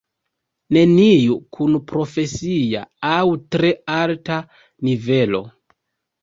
Neniu kun profesia aŭ tre alta nivelo.